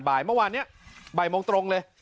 บ่ายเมื่อวานเนี่ยบ่ายมองตรงเลย